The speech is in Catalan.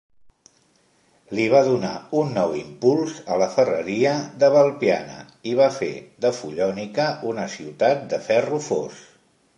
Li va donar un nou impuls a la ferreria de Valpiana i va fer de Follonica una ciutat de ferro fos.